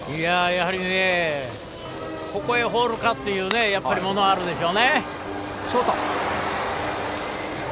やはりここへ放るかというものはあるでしょうね。